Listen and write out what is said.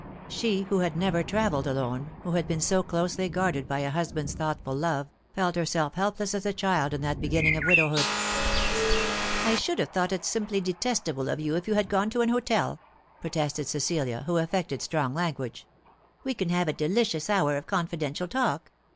She who had never travelled alone, who had been so closely guarded by a husband's thoughtful love, felt herself helpless as a child in that beginning of widowhood. " I should have thought it simply detestable of you if you had gone to an hotel," protested Cecilia, who affected strong language. " We can have a delicious hour of confidential talk.